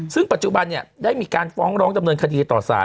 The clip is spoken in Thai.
ซึ่งปัจจุบันเนี่ยได้มีการฟ้องร้องดำเนินคดีต่อสาร